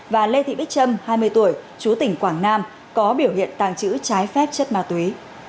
và lê thị bích trâm hai mươi tuổi chú tỉnh quảng nam có biểu hiện tàng trữ trái phép chất ma túy